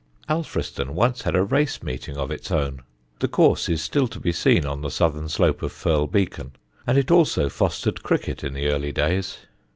Alfriston once had a race meeting of its own the course is still to be seen on the southern slope of Firle Beacon and it also fostered cricket in the early days.